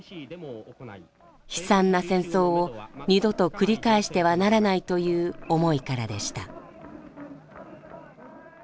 悲惨な戦争を二度と繰り返してはならないという思いからでした。